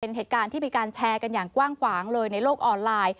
เป็นเหตุการณ์ที่มีการแชร์กันอย่างกว้างขวางเลยในโลกออนไลน์